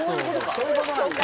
そういうことなんだよ。